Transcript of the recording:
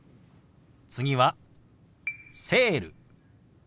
次は「セール」。